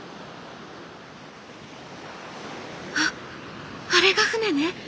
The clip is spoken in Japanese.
「あっあれが船ね。